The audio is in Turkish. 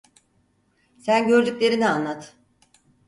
Sen gördüklerini anlat…